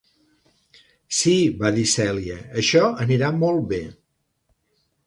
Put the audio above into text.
"Sí", va dir Celia, "això anirà molt bé".